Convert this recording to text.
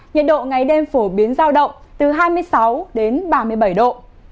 nhiệt độ ngày đêm phổ biến giao động từ hai mươi sáu đến ba mươi bảy độ